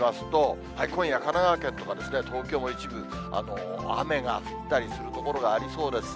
色で見ますと、今夜、神奈川県とか東京も一部、雨が降ったりする所がありそうですね。